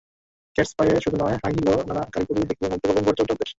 Keds পায়ে শুধু নয়, হাই হিলেও নানা কারিকুরি দেখিয়ে মুগ্ধ করলেন পর্যটকদের।